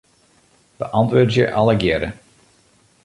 Beäntwurdzje allegearre.